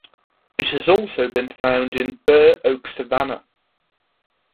It has also been found in bur oak savanna.